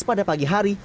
pada pagi hari